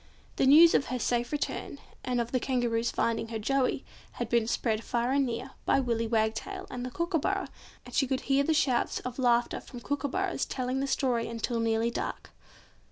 The news of her safe return, and of the Kangaroo's finding her Joey, had been spread far and near, by Willy Wagtail and the Kookooburra; and she could hear the shouts of laughter from kookooburras telling the story until nearly dark.